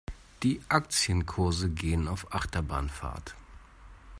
Die Aktienkurse gehen auf Achterbahnfahrt.